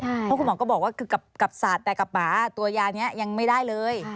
เพราะคุณหมอก็บอกว่าคือกับสัตว์แต่กับหมาตัวยานี้ยังไม่ได้เลย